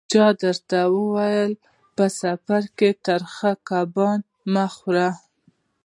چا درته ویل: په سفر کې ترخه کبابونه مه خوره.